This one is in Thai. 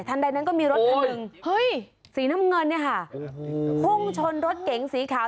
ใดนั้นก็มีรถคันหนึ่งเฮ้ยสีน้ำเงินเนี่ยค่ะพุ่งชนรถเก๋งสีขาว